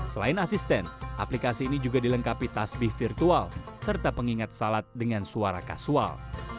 selain asisten aplikasi ini juga dilengkapi tasbih virtual serta pengingat salat dengan suara kasual